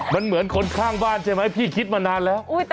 มันเหมือนคนข้างบ้านใช่ไหมพี่คิดมานานแล้ว